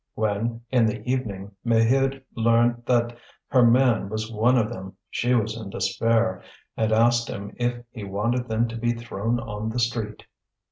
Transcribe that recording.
When, in the evening, Maheude learnt that her man was one of them, she was in despair, and asked him if he wanted them to be thrown on the street.